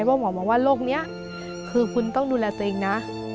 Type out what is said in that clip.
หมอบอกว่าโรคนี้คือคุณต้องดูแลตัวเองนะ